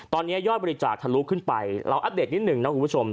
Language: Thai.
ตอนนี้ยอดบริจาคทะลุขึ้นไปเราอัปเดตนิดนึงนะคุณผู้ชม